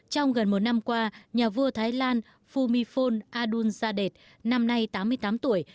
trong gần một năm qua nhà vua thái lan phumifol adulzadet năm nay tám mươi tám tuổi